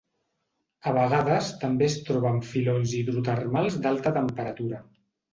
A vegades també es troba en filons hidrotermals d'alta temperatura.